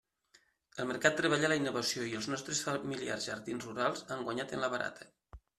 El mercat treballa la innovació i els nostres familiars jardins rurals han guanyat en la barata.